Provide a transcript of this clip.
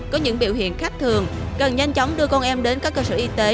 có những biểu hiện khách thường cần nhanh chóng đưa con em đến các cơ sở y tế